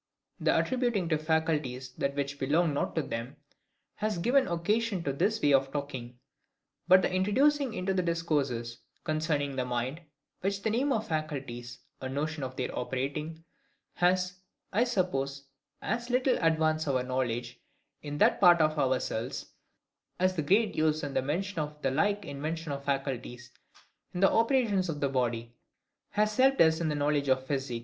The attributing to faculties that which belonged not to them, has given occasion to this way of talking: but the introducing into discourses concerning the mind, with the name of faculties, a notion of THEIR operating, has, I suppose, as little advanced our knowledge in that part of ourselves, as the great use and mention of the like invention of faculties, in the operations of the body, has helped us in the knowledge of physic.